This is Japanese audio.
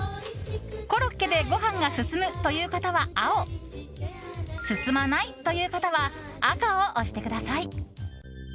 コロッケでご飯が進むという方は青進まないという方は赤を押してください。